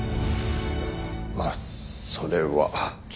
まあそれは。